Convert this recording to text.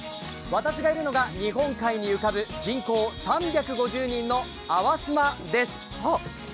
私がいるのが日本海に浮かぶ人口３５０人の粟島です。